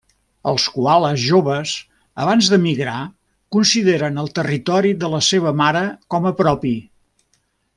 Els coales joves abans d'emigrar consideren el territori de la seva mare com a propi.